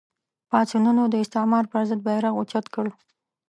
پاڅونونو د استعمار پر ضد بېرغ اوچت کړ